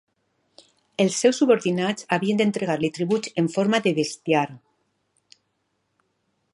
Els seus subordinats havien de entregar-li tributs en forma de bestiar.